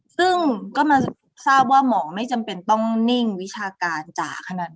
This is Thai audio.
ซึ่งก็มาทราบว่าหมอไม่จำเป็นต้องนิ่งวิชาการจ๋าขนาดนั้น